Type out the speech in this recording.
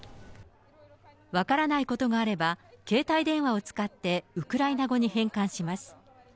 分からないことがあれば、携帯電話を使ってウクライナ語に変換します。